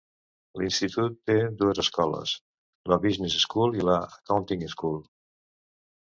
L'institut té dues escoles: la Business School i l'Accounting School.